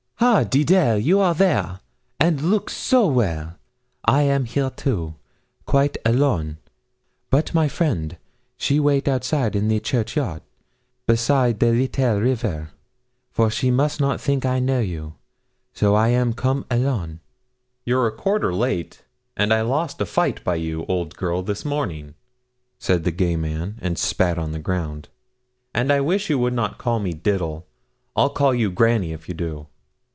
'Ha, Deedle, you are there! an' look so well. I am here, too, quite _a_lon; but my friend, she wait outside the churchyard, by side the leetle river, for she must not think I know you so I am come _a_lon.' 'You're a quarter late, and I lost a fight by you, old girl, this morning,' said the gay man, and spat on the ground; 'and I wish you would not call me Diddle. I'll call you Granny if you do.'